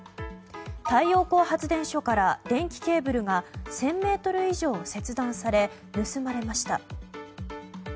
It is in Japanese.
太陽光発電所から電気ケーブルが１０００ｍ以上切断され盗まれました。